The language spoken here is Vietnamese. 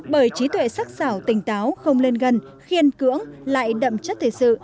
bởi trí tuệ sắc xảo tỉnh táo không lên gần khiên cưỡng lại đậm chất thể sự